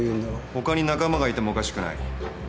ほかに仲間がいてもおかしくない。